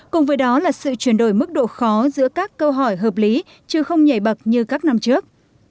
cùng với đó là sự chuyển đổi mức độ khó giữa các câu hỏi hợp lý chứ không nhảy bậc như các năm trước